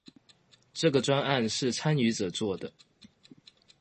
這個專案是參與者做的